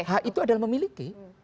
hak itu adalah memiliki